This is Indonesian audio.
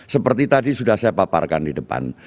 seperti tadi sudah saya paparkan di depan